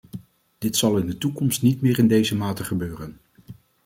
Dit zal in de toekomst niet meer in deze mate gebeuren.